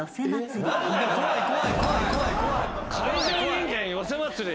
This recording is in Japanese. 海上人間寄せまつり？